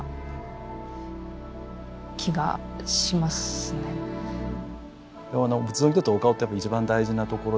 仏像にとってお顔ってやっぱり一番大事なところだと思うんです。